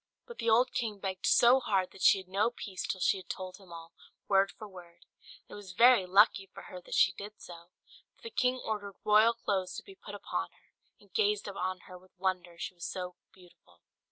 But the old king begged so hard that she had no peace till she had told him all, word for word: and it was very lucky for her that she did so, for the king ordered royal clothes to be put upon her, and gazed on her with wonder, she was so beautiful.